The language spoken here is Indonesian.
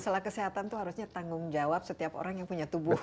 masalah kesehatan itu harusnya tanggung jawab setiap orang yang punya tubuh